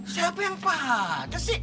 siapa yang pahat sih